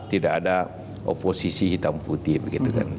tidak ada oposisi hitam putih begitu kan